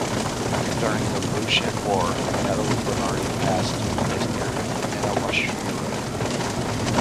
During the Boshin War, the Battle of Bonari Pass took place near Inawashiro.